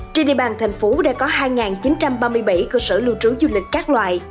trên địa bàn thành phố đã có hai chín trăm ba mươi bảy cơ sở lưu trú du lịch các loại